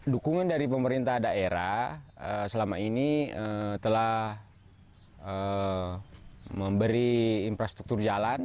dukungan dari pemerintah daerah selama ini telah memberi infrastruktur jalan